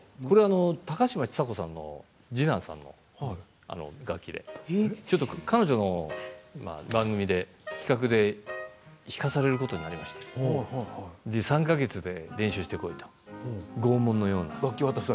高嶋ちさ子さんの次男さんの楽器で彼女の番組で企画で弾かされることになりまして３か月練習してこいと拷問のような。